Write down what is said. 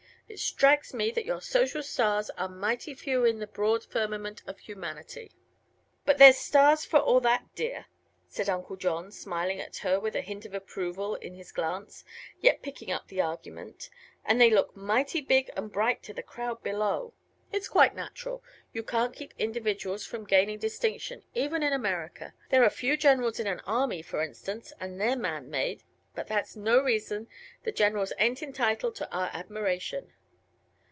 "It strikes me that your social stars are mighty few in the broad firmament of humanity." "But they're stars, for all that, dear," said Uncle John, smiling at her with a hint of approval in his glance, yet picking up the argument; "and they look mighty big and bright to the crowd below. It's quite natural. You can't keep individuals from gaining distinction, even in America. There are few generals in an army, for instance; and they're 'man made'; but that's no reason the generals ain't entitled to our admiration."